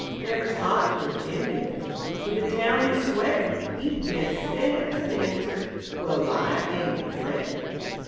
Never's hot where Jim is When the town is sweatin'; He jes' sets and answers, "Well, I ain't a frettin'!"